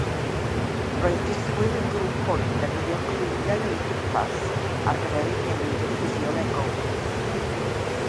Roedd disgwyl i'r grŵp hwn ddefnyddio ciwiau o'u cwmpas ar gyfer eu newid ffisiolegol.